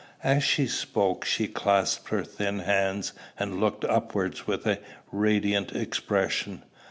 As she spoke, she clasped her thin hands, and looked upwards with a radiant expression.